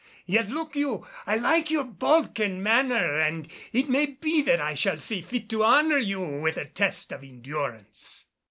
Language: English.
Yet, look you, I like your bulk and manner and it may be that I shall see fit to honor you with a test of endurance."